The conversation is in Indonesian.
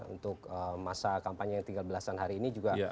untuk masa kampanye tiga belas an hari ini juga